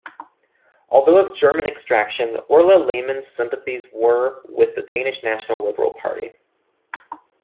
Although of German extraction, Orla Lehmann's sympathies were with the Danish National Liberal Party.